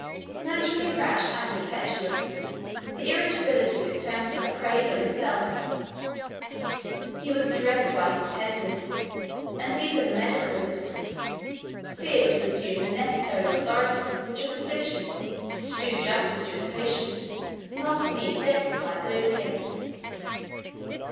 Naturally rash and impetuous, the irritability of his temper preyed on itself. He was dreaded by his attendants and even the medical assistants feared to assume the necessary authority which a physician, to do justice to his patient, must needs exercise over him.